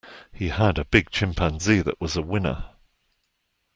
He had a big chimpanzee that was a winner.